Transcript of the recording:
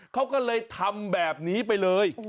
เขาก็เลยทำแบบนี้ไปเลย